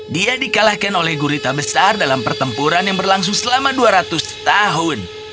dia dikalahkan oleh gurita besar dalam pertempuran yang berlangsung selama dua ratus tahun